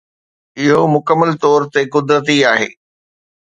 اهو مڪمل طور تي قدرتي آهي.